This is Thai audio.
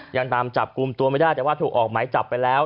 ยังตามจับกลุ่มตัวไม่ได้แต่ว่าถูกออกหมายจับไปแล้ว